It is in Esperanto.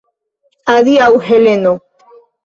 Adiaŭ, Heleno!